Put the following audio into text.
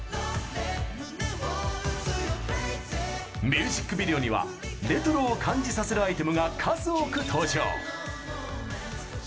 ミュージックビデオにはレトロを感じさせるアイテムが数多く登場！